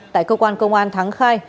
tại cơ quan công an thắng khai